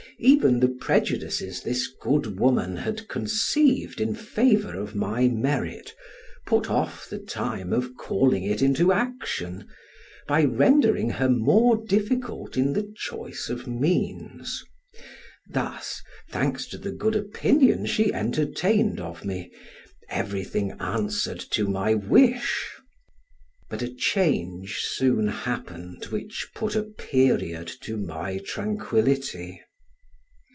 Even the prejudices this good woman had conceived in favor of my merit put off the time of calling it into action, by rendering her more difficult in the choice of means; thus (thanks to the good opinion she entertained of me), everything answered to my wish; but a change soon happened which put a period to my tranquility.